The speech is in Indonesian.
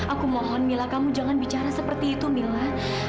aku mohon mila kamu jangan bicara seperti itu mila